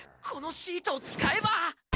このシートをつかえば。